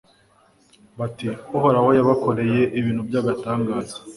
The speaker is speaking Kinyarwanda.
bati Uhoraho yabakoreye ibintu by’agatangaza